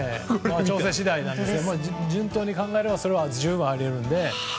調整次第だと思いますが順当に考えればそれは十分あり得るので。